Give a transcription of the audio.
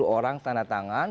dua puluh orang tanda tangan